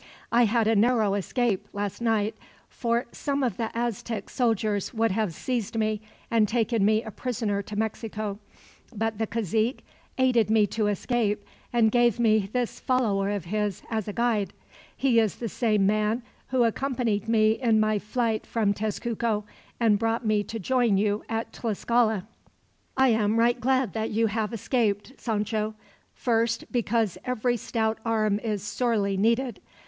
"I had a narrow escape, last night, for some of the Aztec soldiers would have seized me and taken me a prisoner to Mexico; but the cazique aided me to escape, and gave me this follower of his, as a guide. He is the same man who accompanied me in my flight from Tezcuco, and brought me to join you at Tlascala." "I am right glad that you have escaped, Sancho. Firstly, because every stout arm is sorely needed.